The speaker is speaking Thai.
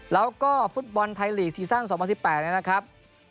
แล้วก็ฟุตบอลไทยลีกซีซั่น๒๐๑๘นะครับ